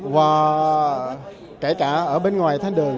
và kể cả ở bên ngoài thánh đường